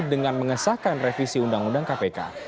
dengan mengesahkan revisi undang undang kpk